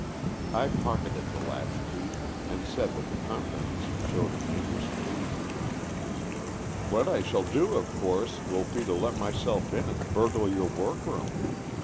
I pocketed the latchkey, and said that the AN EXCHANGE OF SOULS 55 confidence he showed in me was pleasing. " What I shall do of course will be to let myself in and burgle your workroom.